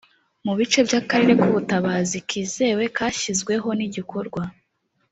mu bice by akarere k ubutabazi kizewe kashyizweho n igikorwa